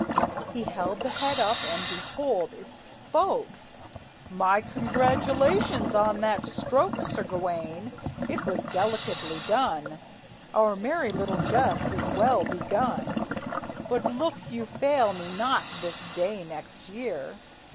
He held the head up, and behold! it spoke. "My best congratulations on that stroke, Sir Gawayne; it was delicately done! Our merry little jest is well begun, But look you fail me not this day next year!